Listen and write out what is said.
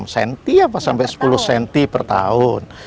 enam cm apa sampai sepuluh cm per tahun